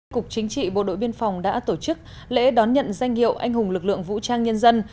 cục chính trị bộ đội biên phòng đã tổ chức lễ đón nhận danh hiệu anh hùng lực lượng vũ trang nhân dân